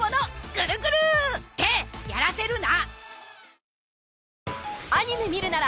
ぐるぐる！ってやらせるな！